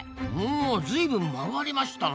おずいぶん曲がりましたな。